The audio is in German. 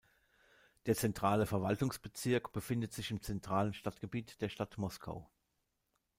Der Zentrale Verwaltungsbezirk befindet sich im zentralen Stadtgebiet der Stadt Moskau.